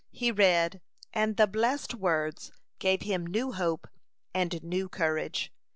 He read, and the blessed words gave him new hope and new courage.